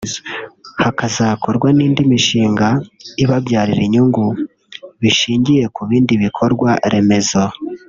hakazakorwa n’indi mishinga ibabyarira inyungu bishingiye ku bindi bikorwa remezo